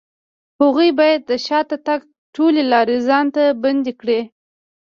هغوی بايد د شاته تګ ټولې لارې ځان ته بندې کړي.